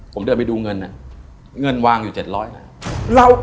ผมเดินไปดูเงินเงินวางอยู่๗๐๐บาท